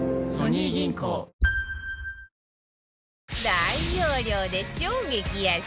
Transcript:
大容量で超激安！